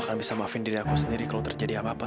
sampai jumpa di video selanjutnya